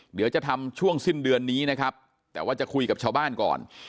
เดี๋ยวจะทำช่วงสิ้นเดือนนี้นะครับแต่ว่าจะคุยกับชาวบ้านก่อน